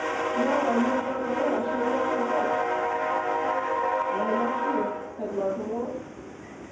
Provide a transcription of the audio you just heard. Now I know not, where I shall look for help." "Why not here?" said Martimor.